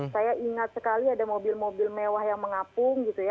saya ingat sekali ada mobil mobil mewah yang mengapung gitu ya